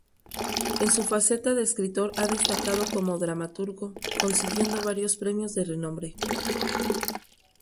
En su faceta de escritor ha destacado como dramaturgo consiguiendo varios premios de renombre.